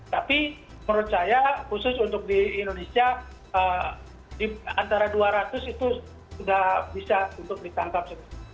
tapi menurut saya khusus untuk di indonesia di antara dua ratus itu sudah bisa untuk ditangkap